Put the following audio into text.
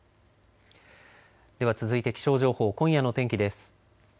では続いて気象情報、今夜の天気です。